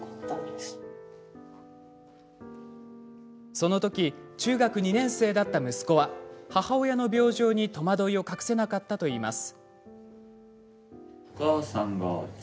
そのとき中学２年生だった息子は母親の病状に戸惑いを隠せなかったといいます。